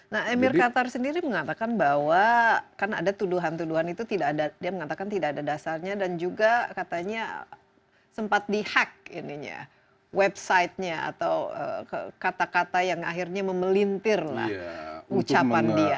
nah emir qatar sendiri mengatakan bahwa kan ada tuduhan tuduhan itu tidak ada dia mengatakan tidak ada dasarnya dan juga katanya sempat di hack nya atau kata kata yang akhirnya memelintir lah ucapan dia